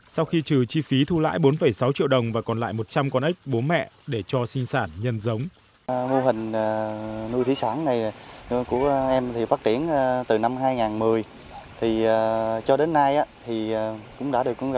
sau khi trừ chi phí thu lãi bốn sáu triệu đồng và còn lại một trăm linh con ếch bố mẹ để cho sinh sản nhân giống